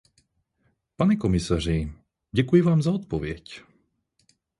Pane komisaři, děkuji vám za odpověď.